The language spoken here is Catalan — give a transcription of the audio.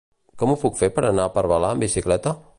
Com ho puc fer per anar a Parlavà amb bicicleta?